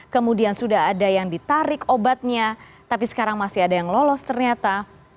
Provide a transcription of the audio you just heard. kemudian sudah ada yang ditarik obatnya tapi sekarang masih ada yang lolos ternyata